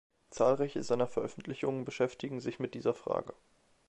Zahlreiche seiner Veröffentlichungen beschäftigen sich mit dieser Frage.